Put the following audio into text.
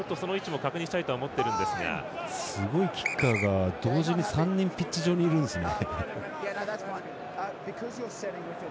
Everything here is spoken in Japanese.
すごいキッカーが同時に３人ピッチ上にいるんですね。